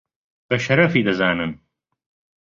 بە شەرەفی دەزانن